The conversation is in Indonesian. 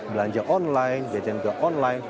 belanja online biaya jangka online